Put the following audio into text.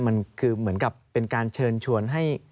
มันคือเหมือนกับเป็นการเชิญชวนให้